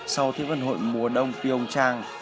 sau thế vận hội mùa đông pyeongchang